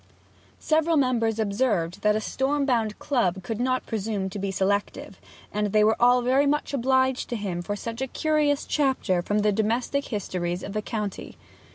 Several members observed that a storm bound club could not presume to be selective, and they were all very much obliged to him for such a curious chapter from the domestic histories of the county.